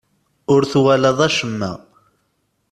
Ur twalaḍ acemma.